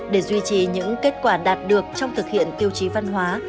để duy trì những kết quả đạt được trong thực hiện tiêu chí văn hóa